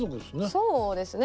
そうですね。